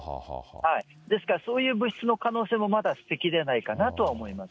ですからそういう物質の可能性もまだ捨てきれないかなとは思いま